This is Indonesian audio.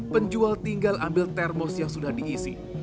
penjual tinggal ambil termos yang sudah diisi